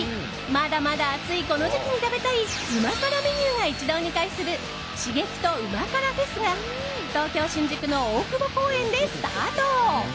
まだまだ暑いこの時期に食べたい旨辛メニューが一堂に会する刺激と旨辛ＦＥＳが東京・新宿の大久保公園で開催。